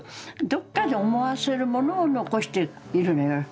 どっかで思わせるものを残しているのよ